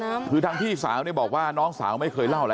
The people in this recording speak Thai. ชาวบ้านในพื้นที่บอกว่าปกติผู้ตายเขาก็อยู่กับสามีแล้วก็ลูกสองคนนะฮะ